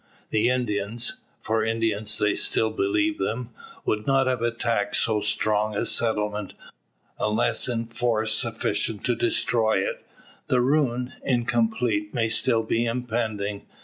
The Indians for Indians they still believe them would not have attacked so strong a settlement, unless in force sufficient to destroy it. The ruin, incomplete, may still be impending.